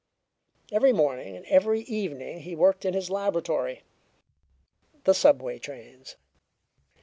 Every morning and every evening he worked in his laboratory the subway trains.